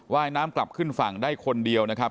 ว่ายน้ำกลับขึ้นฝั่งได้คนเดียวนะครับ